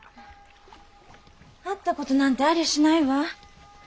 会った事なんてありゃしないわ。